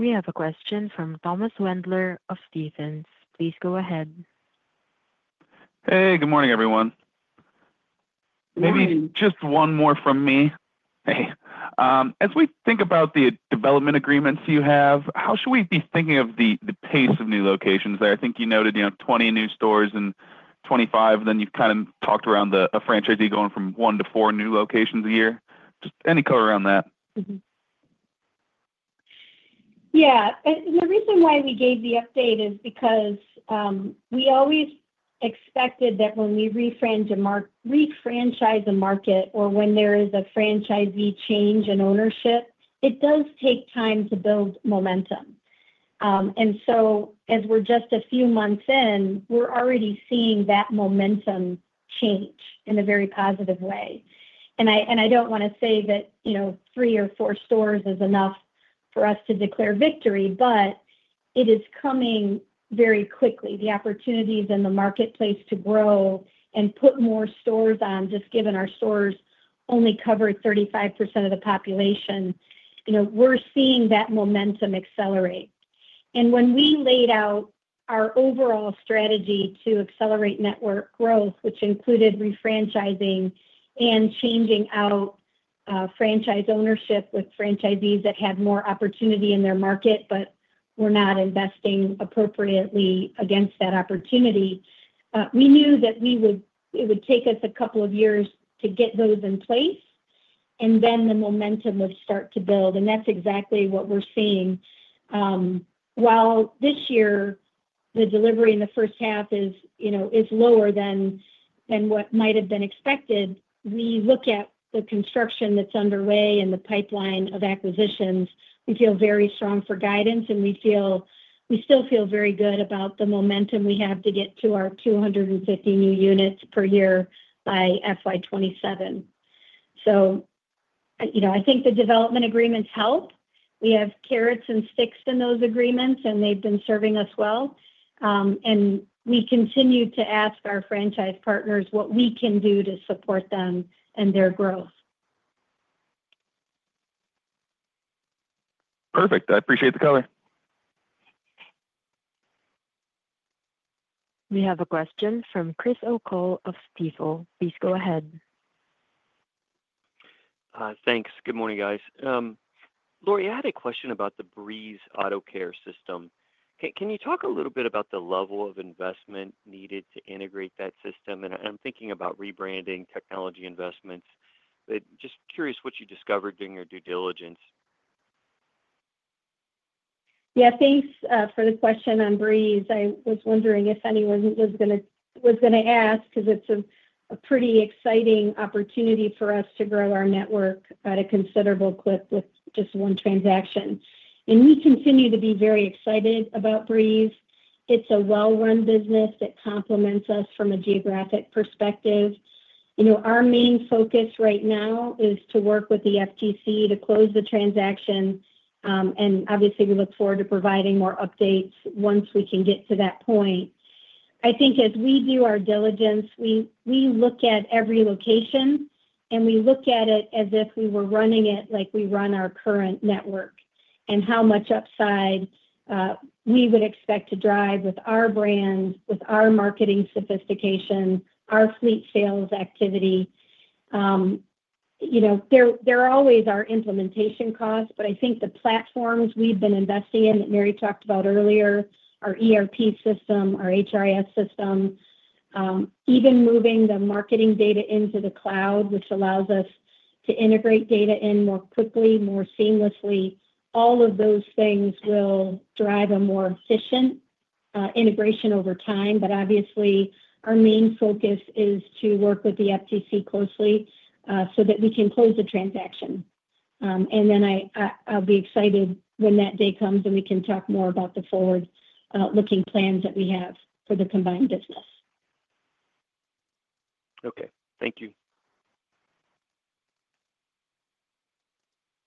[SPEAKER 1] We have a question from Thomas Wendler of Stephens. Please go ahead.
[SPEAKER 12] Hey, good morning, everyone.
[SPEAKER 3] Good morning.
[SPEAKER 12] Maybe just one more from me. As we think about the development agreements you have, how should we be thinking of the pace of new locations there? I think you noted 20 new stores in 2025, and then you've kind of talked around a franchisee going from one to four new locations a year. Just any color around that?
[SPEAKER 3] Yeah. The reason why we gave the update is because we always expected that when we refranchise a market or when there is a franchisee change in ownership, it does take time to build momentum. As we're just a few months in, we're already seeing that momentum change in a very positive way. I do not want to say that three or four stores is enough for us to declare victory, but it is coming very quickly. The opportunities in the marketplace to grow and put more stores on, just given our stores only cover 35% of the population, we're seeing that momentum accelerate. When we laid out our overall strategy to accelerate network growth, which included refranchising and changing out franchise ownership with franchisees that had more opportunity in their market but were not investing appropriately against that opportunity, we knew that it would take us a couple of years to get those in place, and then the momentum would start to build. That is exactly what we are seeing. While this year, the delivery in the first half is lower than what might have been expected, we look at the construction that is underway and the pipeline of acquisitions. We feel very strong for guidance, and we still feel very good about the momentum we have to get to our 250 new units per year by FY2027. I think the development agreements help. We have carrots and sticks in those agreements, and they have been serving us well. We continue to ask our franchise partners what we can do to support them and their growth.
[SPEAKER 12] Perfect. I appreciate the color.
[SPEAKER 1] We have a question from Chris O'Cull of Stephens. Please go ahead.
[SPEAKER 13] Thanks. Good morning, guys. Lori, I had a question about the Breeze Auto Care system. Can you talk a little bit about the level of investment needed to integrate that system? I'm thinking about rebranding, technology investments, but just curious what you discovered during your due diligence.
[SPEAKER 3] Yeah. Thanks for the question on Breeze. I was wondering if anyone was going to ask because it's a pretty exciting opportunity for us to grow our network at a considerable clip with just one transaction. We continue to be very excited about Breeze. It's a well-run business that complements us from a geographic perspective. Our main focus right now is to work with the FTC to close the transaction. Obviously, we look forward to providing more updates once we can get to that point. I think as we do our diligence, we look at every location, and we look at it as if we were running it like we run our current network and how much upside we would expect to drive with our brand, with our marketing sophistication, our fleet sales activity. There are always our implementation costs, but I think the platforms we've been investing in that Mary talked about earlier, our ERP system, our HRIS system, even moving the marketing data into the cloud, which allows us to integrate data in more quickly, more seamlessly, all of those things will drive a more efficient integration over time. Obviously, our main focus is to work with the FTC closely so that we can close the transaction. I'll be excited when that day comes and we can talk more about the forward-looking plans that we have for the combined business.
[SPEAKER 13] Okay. Thank you.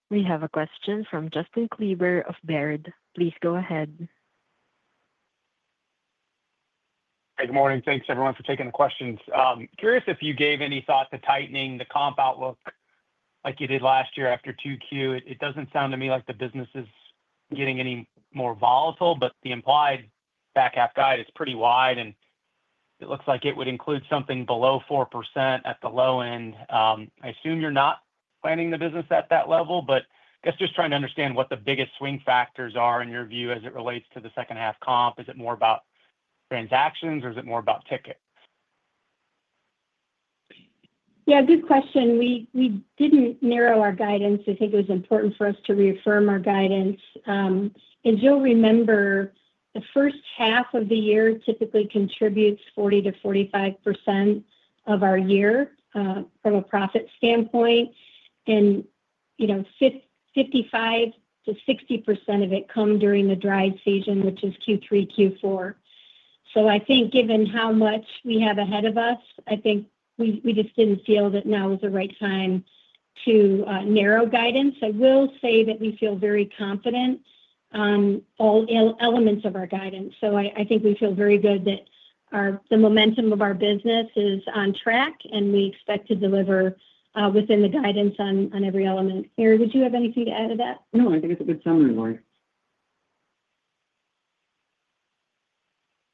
[SPEAKER 1] We have a question from Justin Kleber of Baird. Please go ahead.
[SPEAKER 14] Hey, good morning. Thanks, everyone, for taking the questions. Curious if you gave any thought to tightening the comp outlook like you did last year after 2Q. It does not sound to me like the business is getting any more volatile, but the implied back half guide is pretty wide, and it looks like it would include something below 4% at the low end. I assume you are not planning the business at that level, but I guess just trying to understand what the biggest swing factors are in your view as it relates to the 2nd half comp. Is it more about transactions, or is it more about ticket?
[SPEAKER 3] Yeah. Good question. We did not narrow our guidance. I think it was important for us to reaffirm our guidance. You will remember the first half of the year typically contributes 40-45% of our year from a profit standpoint. Fifty-five to 60% of it comes during the dry season, which is Q3, Q4. I think given how much we have ahead of us, we just did not feel that now was the right time to narrow guidance. I will say that we feel very confident on all elements of our guidance. I think we feel very good that the momentum of our business is on track, and we expect to deliver within the guidance on every element. Mary, would you have anything to add to that?
[SPEAKER 4] No, I think it's a good summary, Lori.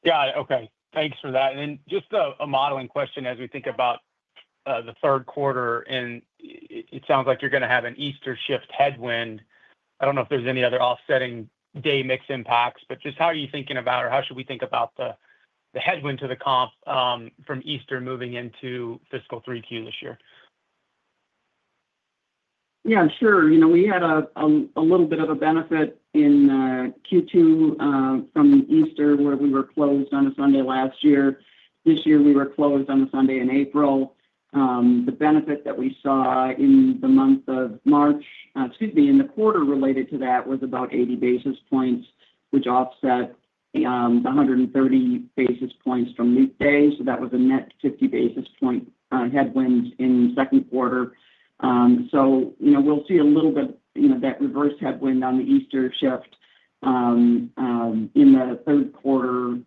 [SPEAKER 14] Got it. Okay. Thanks for that. Then just a modeling question as we think about the third quarter, and it sounds like you're going to have an Easter shift headwind. I don't know if there's any other offsetting day mix impacts, but just how are you thinking about, or how should we think about the headwind to the comp from Easter moving into fiscal 3Q this year?
[SPEAKER 4] Yeah, sure. We had a little bit of a benefit in Q2 from Easter where we were closed on a Sunday last year. This year, we were closed on a Sunday in April. The benefit that we saw in the month of March—excuse me—in the quarter related to that was about 80 basis points, which offset the 130 basis points from leap day. That was a net 50 basis point headwind in the 2nd quarter. We will see a little bit of that reverse headwind on the Easter shift in the 3rd quarter.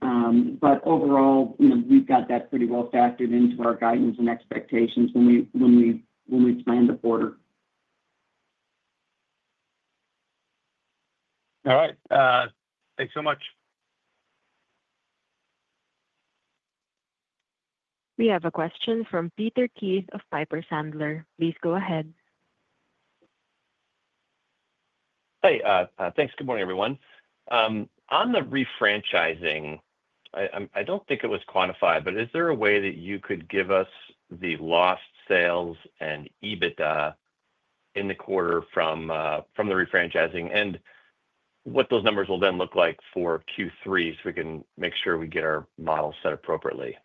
[SPEAKER 4] Overall, we have that pretty well factored into our guidance and expectations when we plan the quarter.
[SPEAKER 14] All right. Thanks so much.
[SPEAKER 1] We have a question from Peter Keith of Piper Sandler. Please go ahead.
[SPEAKER 15] Hey. Thanks. Good morning, everyone. On the refranchising, I do not think it was quantified, but is there a way that you could give us the lost sales and EBITDA in the quarter from the refranchising and what those numbers will then look like for Q3 so we can make sure we get our model set appropriately?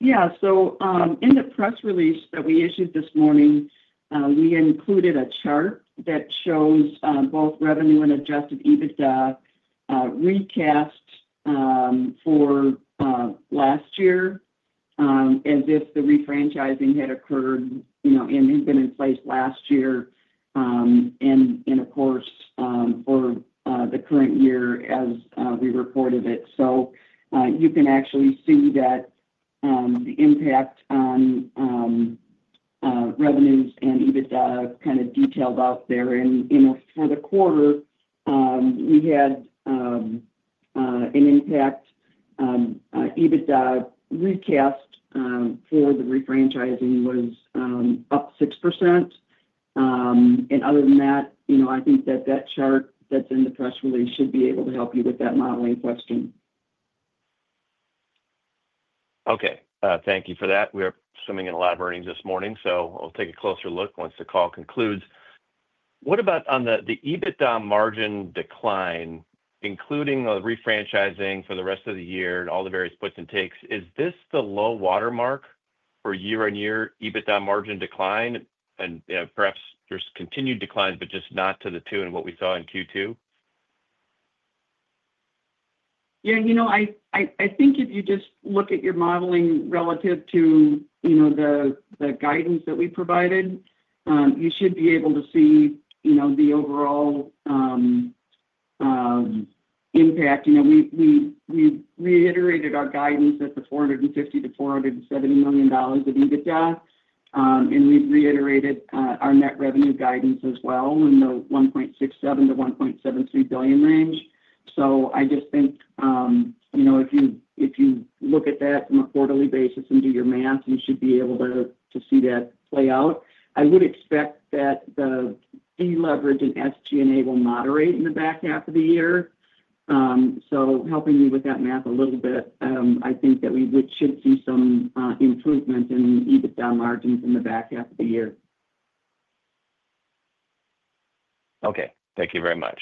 [SPEAKER 4] Yeah. In the press release that we issued this morning, we included a chart that shows both revenue and adjusted EBITDA recast for last year as if the refranchising had occurred and had been in place last year and, of course, for the current year as we reported it. You can actually see that the impact on revenues and EBITDA kind of detailed out there. For the quarter, we had an impact EBITDA recast for the refranchising was up 6%. Other than that, I think that chart that's in the press release should be able to help you with that modeling question.
[SPEAKER 15] Okay. Thank you for that. We are swimming in a lot of earnings this morning, so I'll take a closer look once the call concludes. What about on the EBITDA margin decline, including refranchising for the rest of the year and all the various puts and takes? Is this the low watermark for year-on-year EBITDA margin decline? Perhaps there's continued declines, but just not to the tune of what we saw in Q2?
[SPEAKER 4] Yeah. I think if you just look at your modeling relative to the guidance that we provided, you should be able to see the overall impact. We reiterated our guidance at the $450-$470 million of EBITDA, and we've reiterated our net revenue guidance as well in the $1.67-$1.73 billion range. I just think if you look at that from a quarterly basis and do your math, you should be able to see that play out. I would expect that the deleverage in SG&A will moderate in the back half of the year. Helping you with that math a little bit, I think that we should see some improvement in EBITDA margins in the back half of the year.
[SPEAKER 15] Okay. Thank you very much.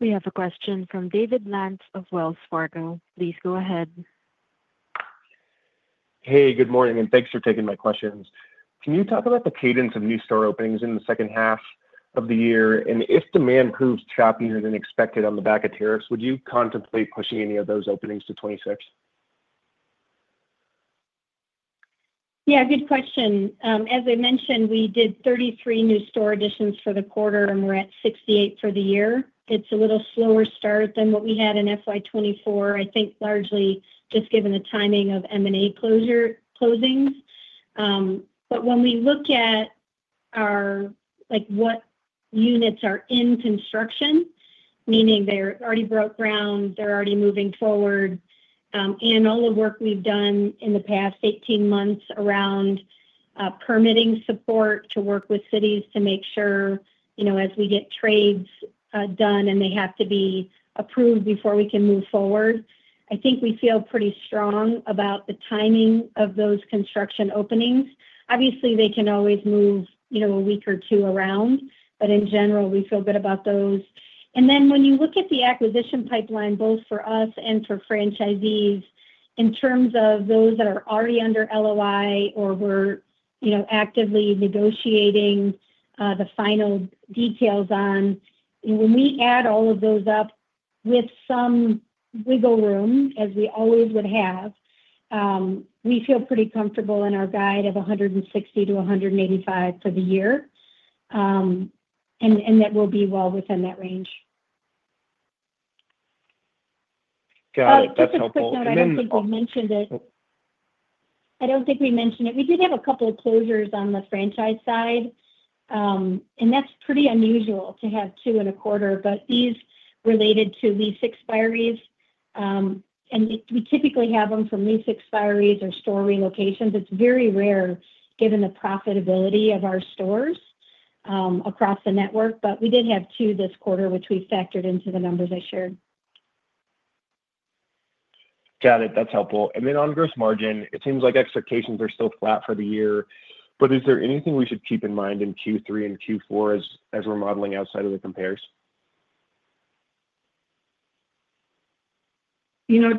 [SPEAKER 1] We have a question from David Lantz of Wells Fargo. Please go ahead.
[SPEAKER 16] Hey, good morning, and thanks for taking my questions. Can you talk about the cadence of new store openings in the 2nd half of the year? If demand proves choppier than expected on the back of tariffs, would you contemplate pushing any of those openings to 2026?
[SPEAKER 6] Yeah. Good question. As I mentioned, we did 33 new store additions for the quarter, and we're at 68 for the year. It's a little slower start than what we had in FY 2024, I think, largely just given the timing of M&A closings. When we look at what units are in construction, meaning they're already broke ground, they're already moving forward, and all the work we've done in the past 18 months around permitting support to work with cities to make sure as we get trades done and they have to be approved before we can move forward, I think we feel pretty strong about the timing of those construction openings. Obviously, they can always move a week or two around, but in general, we feel good about those. When you look at the acquisition pipeline, both for us and for franchisees, in terms of those that are already under LOI or we're actively negotiating the final details on, when we add all of those up with some wiggle room, as we always would have, we feel pretty comfortable in our guide of 160-185 for the year, and that we'll be well within that range.
[SPEAKER 16] Got it. That's helpful.
[SPEAKER 3] I don't think we mentioned it. We did have a couple of closures on the franchise side, and that's pretty unusual to have two in a quarter, but these related to lease expiries. We typically have them for lease expiries or store relocations. It's very rare given the profitability of our stores across the network, but we did have two this quarter, which we factored into the numbers I shared.
[SPEAKER 16] Got it. That's helpful. And then on gross margin, it seems like expectations are still flat for the year, but is there anything we should keep in mind in Q3 and Q4 as we're modeling outside of the compares?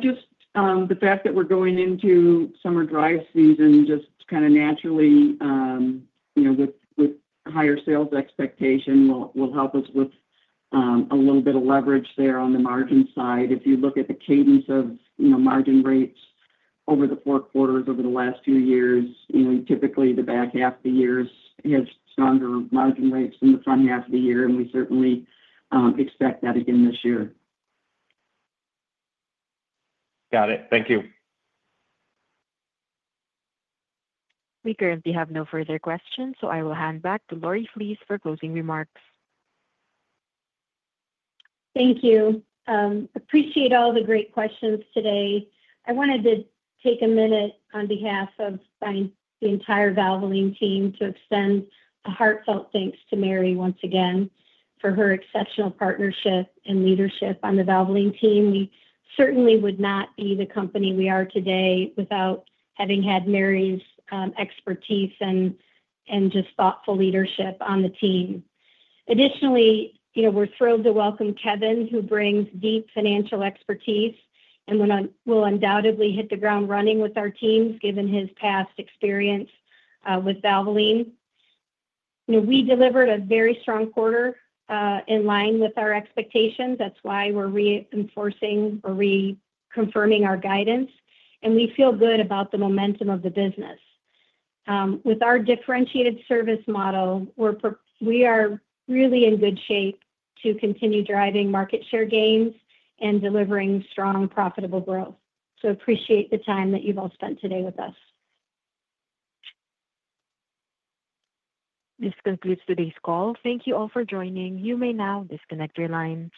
[SPEAKER 4] Just the fact that we're going into summer dry season just kind of naturally with higher sales expectation will help us with a little bit of leverage there on the margin side. If you look at the cadence of margin rates over the four quarters over the last few years, typically the back half of the year has stronger margin rates than the front half of the year, and we certainly expect that again this year.
[SPEAKER 16] Got it. Thank you.
[SPEAKER 1] If you have no further questions, I will hand back to Lori, please, for closing remarks.
[SPEAKER 3] Thank you. Appreciate all the great questions today. I wanted to take a minute on behalf of the entire Valvoline team to extend a heartfelt thanks to Mary once again for her exceptional partnership and leadership on the Valvoline team. We certainly would not be the company we are today without having had Mary's expertise and just thoughtful leadership on the team. Additionally, we're thrilled to welcome Kevin, who brings deep financial expertise and will undoubtedly hit the ground running with our teams given his past experience with Valvoline. We delivered a very strong quarter in line with our expectations. That's why we're reinforcing or reconfirming our guidance, and we feel good about the momentum of the business. With our differentiated service model, we are really in good shape to continue driving market share gains and delivering strong, profitable growth. Appreciate the time that you've all spent today with us.
[SPEAKER 1] This concludes today's call. Thank you all for joining. You may now disconnect your lines.